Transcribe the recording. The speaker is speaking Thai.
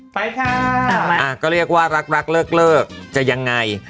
ไปค่ะต่อไปอ่าก็เรียกว่ารักรักเลิกเลิกจะยังไง